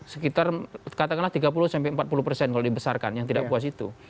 sekitar katakanlah tiga puluh sampai empat puluh persen kalau dibesarkan yang tidak puas itu